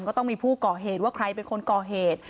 ก็ต้องมีผู้ก่อเหตุว่าใครเป็นคนก่อเหตุ